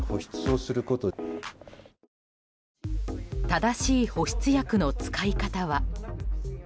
正しい保湿薬の使い方は。